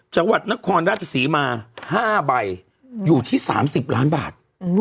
จังหวัดนครราชศรีมา๕ใบอยู่ที่๓๐ล้านบาท